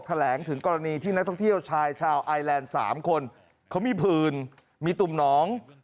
แถลงถึงกรณีที่นักท่องเที่ยวชายชาวไอแลนด์๓คนเขามีผื่นมีตุ่มหนอง